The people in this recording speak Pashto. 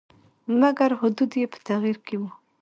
مګر حدود یې په تغییر کې وو.